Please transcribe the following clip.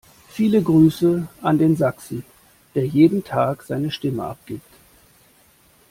Viele Grüße an den Sachsen, der jeden Tag seine Stimme abgibt!